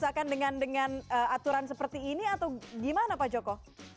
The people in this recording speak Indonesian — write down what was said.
apakah dengan aturan seperti ini atau gimana pak joko